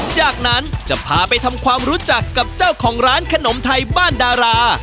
จากนั้นจะพาไปทำความรู้จักกับเจ้าของร้านขนมไทยบ้านดารา